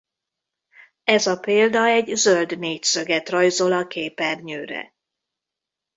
Ez a példa egy zöld négyszöget rajzol a képernyőre.